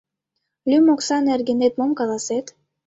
Лӱм окса нергенет мом каласет?